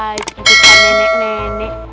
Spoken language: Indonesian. wah cukup kan nenek nenek